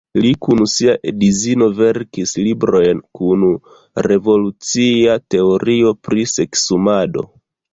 Li kun sia edzino verkis librojn kun revolucia teorio pri seksumado.